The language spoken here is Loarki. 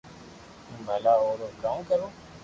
ھون ڀلا او رو ڪاو ڪرو